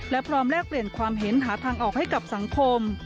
และพร้อมแลกเปลี่ยนความเห็นหาทางออกให้กับสังคม